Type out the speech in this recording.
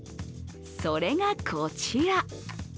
それが、こちら。